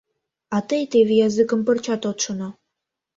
А тый теве языкым пырчат от шоно.